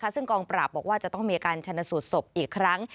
ซึ่งกองปราบบอกว่าจะต้องมีการชนะสูตรศพอีกครั้ง